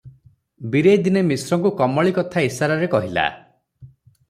ବୀରେଇ ଦିନେ ମିଶ୍ରଙ୍କୁ କମଳୀ କଥା ଇଶାରାରେ କହିଲା ।